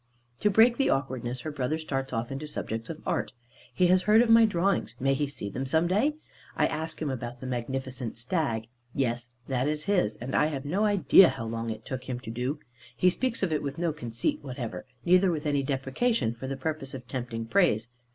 To break the awkwardness, her brother starts off into subjects of art. He has heard of my drawings, may he see them some day? I ask him about the magnificent stag. Yes, that is his, and I have no idea how long it took him to do. He speaks of it with no conceit whatever; neither with any depreciation, for the purpose of tempting praise.